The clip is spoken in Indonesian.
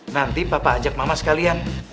nanti bapak ajak mama sekalian